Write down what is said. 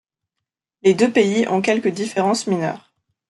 Les deux pays ont quelques différences mineures.